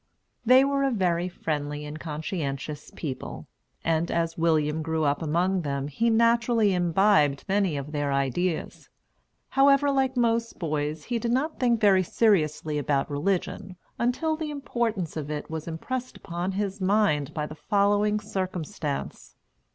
They were a very friendly and conscientious people, and as William grew up among them he naturally imbibed many of their ideas. However, like most boys, he did not think very seriously about religion, until the importance of it was impressed upon his mind by the following circumstance.